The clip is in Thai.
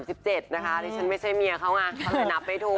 ดิฉันไม่ใช่เมียเค้าอ่ะนับไม่ถูก